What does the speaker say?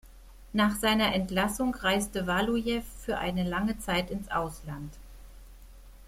Nach seiner Entlassung reiste Walujew für eine lange Zeit ins Ausland.